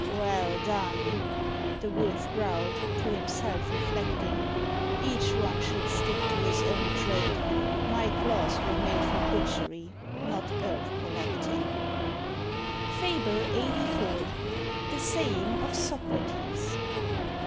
"Well done!" the Wolf growled, to himself reflecting: "Each one should stick to his own trade. My claws Were made for butchery, not herb collecting." FABLE LXXXIV. THE SAYING OF SOCRATES.